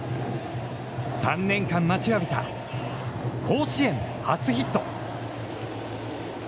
３年間待ちわびた、甲子園初ヒット。